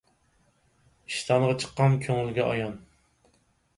ئىشتانغا چىققان كۆڭۈلگە ئايان.